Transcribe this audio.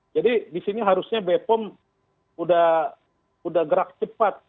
jadi di sini harusnya bepom sudah gerak cepat